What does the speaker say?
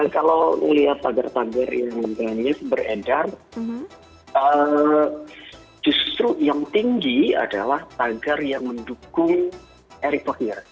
kalau melihat tagar tagar yang granis beredar justru yang tinggi adalah tagar yang mendukung erick thohir